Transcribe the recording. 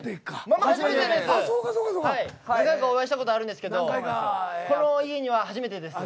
何回かお会いしたことあるんですけどこの家には初めてです。